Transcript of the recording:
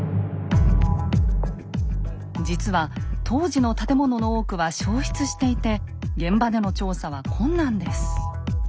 実は当時の建物の多くは焼失していて現場での調査は困難です。